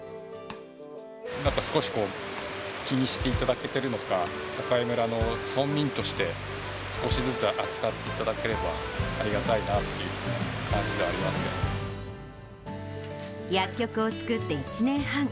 少しこう、気にしていただけてるのか、栄村の村民として、少しずつ扱っていただければ、ありがたいなっていう感じではあ薬局を作って１年半。